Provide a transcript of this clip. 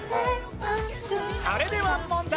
それでは問題